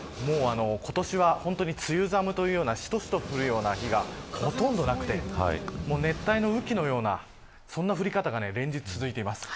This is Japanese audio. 今年は本当に、梅雨寒というようなしとしと降る雨の日がほとんどなくて熱帯の雨季のようなその降り方が連日続いています。